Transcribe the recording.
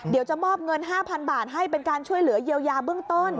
เดี๋ยวจะมอบเงิน๕๐๐๐บาทให้เป็นการช่วยเหลือเยียวยาเบื้องต้น